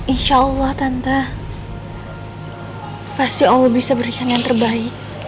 insya allah tante pasti allah bisa berikan yang terbaik